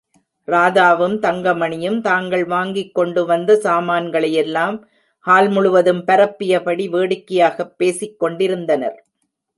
ராதாவும், தங்கமணியும், தாங்கள் வாங்கிக் கொண்டு வந்த சாமான்களையெல்லாம், ஹால் முழுதும் பரப்பியபடி, வேடிக்கையாகப் பேசிக் கொண்டிருந்தனர்.